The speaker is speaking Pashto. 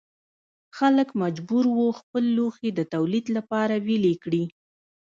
خلک مجبور وو خپل لوښي د تولید لپاره ویلې کړي.